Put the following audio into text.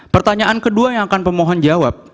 pertanyaan kedua yang akan pemohon jawab